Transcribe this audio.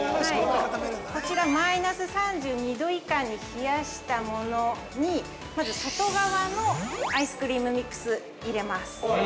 こちら、マイナス３２度以下に冷やしたものに、まず外側のアイスクリームミックスを入れます。